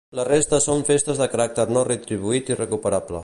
La resta són festes de caràcter no retribuït i recuperable.